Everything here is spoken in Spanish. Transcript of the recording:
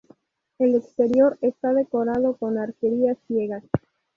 El exterior está decorado con arquerías ciegas.